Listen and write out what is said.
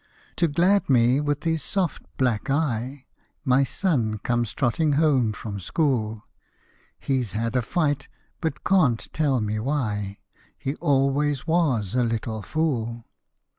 _ To glad me with his soft black eye _My son comes trotting home from school; He's had a fight, but can't tell why He always was a little fool!